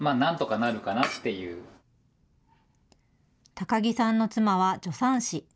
高木さんの妻は助産師。